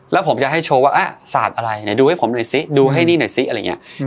แล้วผมจะให้โชว์ว่าศาสตร์อะไรไหนดูให้ผมหน่อยซิดูให้นี่หน่อยซิอะไรอย่างนี้